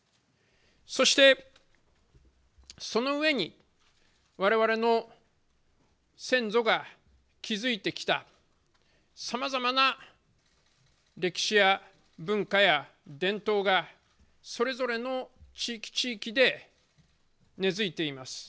そして、そのうえにわれわれの先祖が築いてきたさまざまな歴史や文化や伝統がそれぞれの地域、地域で根づいています。